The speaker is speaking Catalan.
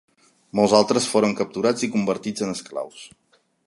Molts altres foren capturats i convertits en esclaus.